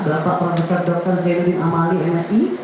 belakang pak prof dr zainuddin amali msi